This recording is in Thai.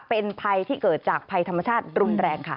เป็นภัยที่เกิดจากภัยธรรมชาติรุนแรงค่ะ